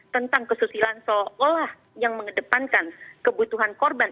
tentang kesusilaan seolah olah yang mengedepankan kebutuhan korban